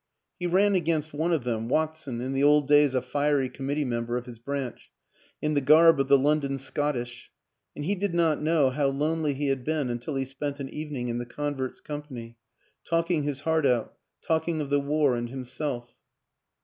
He ran against one of them Watson, in the old days a fiery committee member of his branch in the garb of the London Scottish; and he did not know how lonely he had been until he spent an evening in the convert's company, talking his heart out, talk ing of the war and himself.